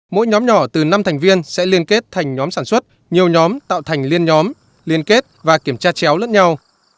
mỗi nhóm nhỏ từ năm thành viên sẽ liên kết thành nhóm sản xuất nhiều nhóm tạo thành liên nhóm liên kết và kiểm tra chéo lẫn nhau